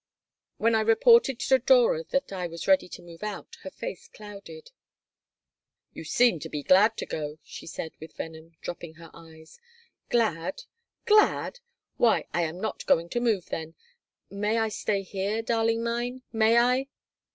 When I reported to Dora that I was ready to move, her face clouded "You seem to be glad to," she said, with venom, dropping her eyes "Glad? Glad? Why, I am not going to move, then. May I stay here, darling mine? May I?"